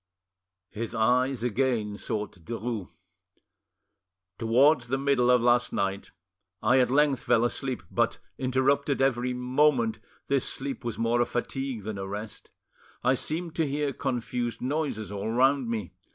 His eyes again sought Derues. "Towards the middle of last night I at length fell asleep, but, interrupted every moment, this sleep was more a fatigue than a rest; I seemed to hear confused noises all round me.